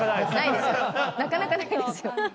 なかなかないですよ。